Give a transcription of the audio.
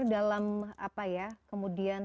dalam apa ya kemudian